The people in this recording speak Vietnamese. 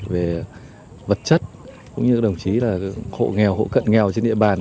về vật chất cũng như các đồng chí là hộ nghèo hộ cận nghèo trên địa bàn